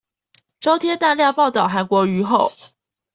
中天大量報導韓國瑜後